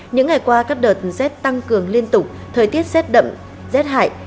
những ngày qua các đợt rét tăng cường liên tục thời tiết rét đậm rét hại